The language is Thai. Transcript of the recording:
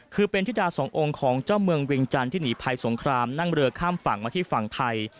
คือเป็นธิดาสององค์ของเจ้าเมืองเวียงจันทร์ที่หนีภัยสงครามนั่งเรือข้ามฝั่งมาที่ฝั่งไทย